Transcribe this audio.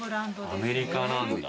アメリカなんだ。